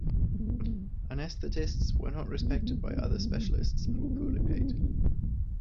Anaesthetists were not respected by other specialists and were poorly paid.